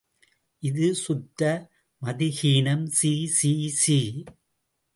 இது சுத்த மதிஹீனம், சீ சீ சீ!